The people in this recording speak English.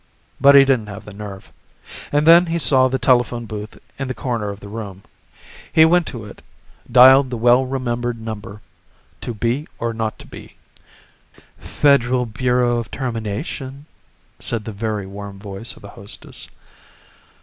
But he didn't have the nerve. And then he saw the telephone booth in the corner of the room. He went to it, dialed the well remembered number: "2 B R 0 2 B." "Federal Bureau of Termination," said the very warm voice of a hostess.